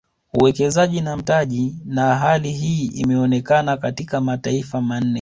Uwekezaji na mtaji na hali hii imeonekana katika mataifa manne